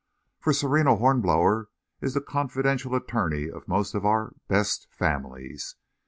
For Sereno Hornblower is the confidential attorney of most of our "best families."